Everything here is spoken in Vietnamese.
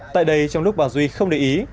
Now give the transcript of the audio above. tại đây trong lúc bà duy không để ý